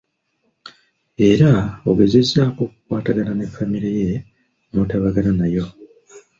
Era ogezezzaako okukwatagana ne Famire ye n'okutabagana nayo.